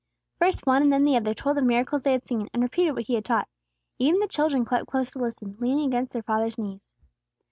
First one and then the other told of miracles they had seen, and repeated what He had taught. Even the children crept close to listen, leaning against their father's knees.